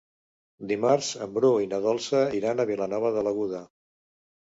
Dimarts en Bru i na Dolça iran a Vilanova de l'Aguda.